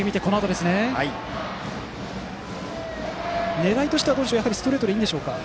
狙いとしてはストレートでいいんでしょうか。